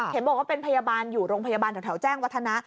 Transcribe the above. เห็นบอกว่าเป็นพยาบาลอยู่โรงพยาบาลแถวแจ้งวัฒนะ